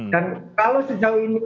dan kalau sejauh ini